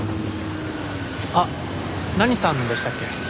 あっ何さんでしたっけ？